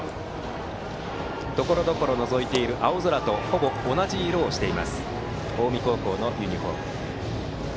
ところどころのぞいている青空とほぼ同じ色をしています近江高校のユニフォーム。